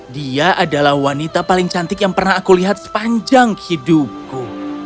dia adalah wanita paling cantik yang pernah aku lihat sepanjang hidupku